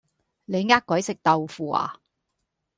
你呃鬼食豆腐呀